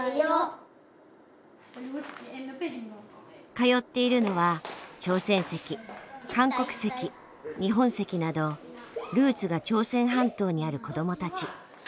通っているのは朝鮮籍韓国籍日本籍などルーツが朝鮮半島にある子どもたち。